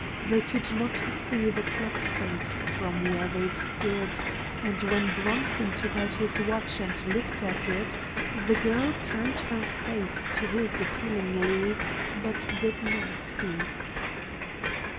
They could not see the clock face from where they stood, and when Bronson took out his watch and looked at it, the girl turned her face to his appealingly, but did not speak.